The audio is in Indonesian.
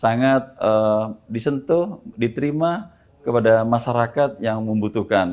sangat disentuh diterima kepada masyarakat yang membutuhkan